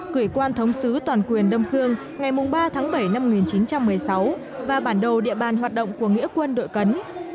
cử quan thống sứ toàn quyền đông dương ngày ba tháng bảy năm một nghìn chín trăm một mươi sáu và bản đồ địa bàn hoạt động của nghĩa quân đội cấn